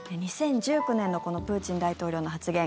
２０１９年のプーチン大統領の発言。